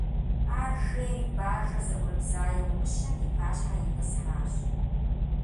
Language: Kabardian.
Ар жери бажэр зыӏурыбзаеу мыщэм и пащхьэ итӏысхьащ.